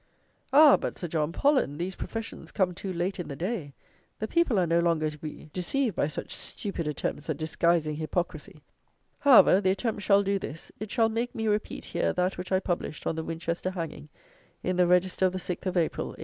Ah! but, Sir John Pollen, these professions come too late in the day: the people are no longer to be deceived by such stupid attempts at disguising hypocrisy. However, the attempt shall do this: it shall make me repeat here that which I published on the Winchester hanging, in the Register of the 6th of April, 1822.